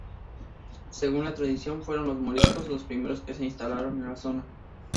Según la tradición, fueron los moriscos los primeros que se instalaron en la zona.